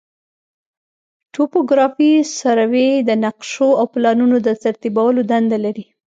توپوګرافي سروې د نقشو او پلانونو د ترتیبولو دنده لري